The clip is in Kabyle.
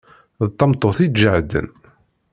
D tameṭṭut iǧehden.